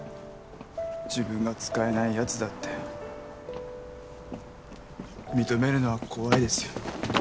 自分が使えないやつだって認めるのは怖いですよ